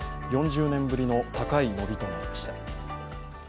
４０年ぶりの高い伸びとなりました。